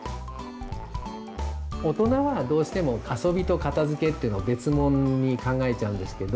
大人はどうしても遊びと片づけっていうのは別もんに考えちゃうんですけど。